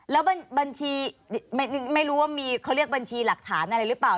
แล้วบัญชีไม่รู้ว่ามีเขาเรียกบัญชีหลักฐานอะไรหรือเปล่า